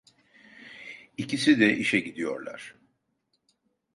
İkisi de işe gidiyorlar.